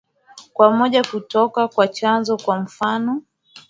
kwa moja kutoka kwa chanzo kwa mfano